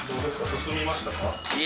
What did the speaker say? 進みましたか？